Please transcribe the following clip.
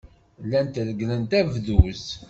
Llant regglent abduz.